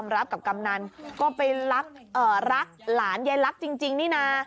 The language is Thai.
รักหลานใยรักจริงนี่นะ